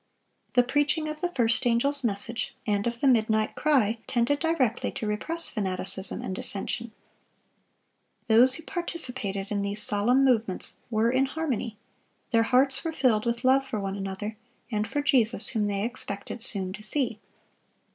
The preaching of the first angel's message and of the "midnight cry" tended directly to repress fanaticism and dissension. Those who participated in these solemn movements were in harmony; their hearts were filled with love for one another, and for Jesus, whom they expected soon to see.